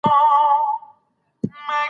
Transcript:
رښتیا ویل د هر لیکوال دنده ده.